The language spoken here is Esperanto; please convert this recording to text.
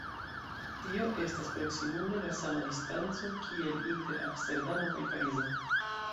Tio estas proksimume la sama distanco kiel inter Amsterdamo kaj Parizo.